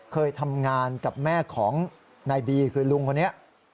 เคยทำงานกับแม่ของนายบีคือลุงคนนี้